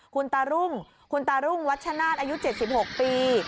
คุณตารุ่งคุณตารุ่งวัชชนาธิ์อายุเจ็ดสิบหกปี